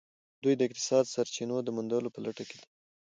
دوی د اقتصادي سرچینو د موندلو په لټه کې دي